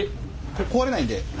壊れないんで。